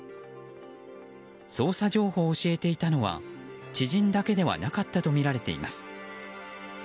捜査情報を教えていたのは知人だけではなかったとみられています。